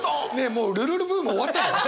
もう「ルルル」ブーム終わったの？